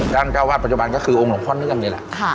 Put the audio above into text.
เจ้าวาดปัจจุบันก็คือองค์หลวงพ่อเนื่องนี่แหละ